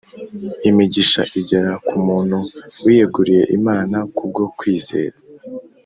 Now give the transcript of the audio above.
. Imigisha igera ku muntu wiyeguriye Imana kubwo kwizera